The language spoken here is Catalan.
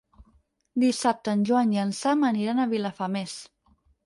Dissabte en Joan i en Sam aniran a Vilafamés.